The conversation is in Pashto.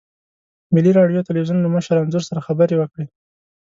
ملي راډیو تلویزیون له مشر انځور سره خبرې وکړې.